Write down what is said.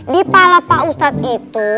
di pala pak ustadz itu